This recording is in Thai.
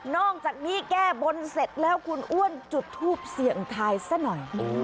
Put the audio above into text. อกจากนี้แก้บนเสร็จแล้วคุณอ้วนจุดทูปเสี่ยงทายซะหน่อย